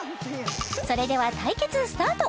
それでは対決スタート！